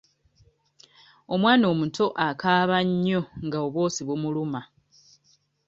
Omwana omuto akaaba nnyo nga obwosi bumuluma.